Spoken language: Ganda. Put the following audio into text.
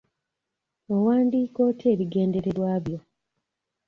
Owandiika otya ebigendererwa byo?